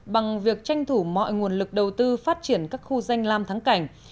bằng việc tranh thủ mọi nguồn lực đầu tư phát triển các khu danh lam thắng cảnh